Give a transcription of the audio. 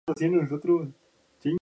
Fue ejecutado durante la Gran Purga.